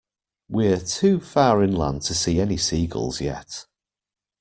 We're too far inland to see any seagulls yet.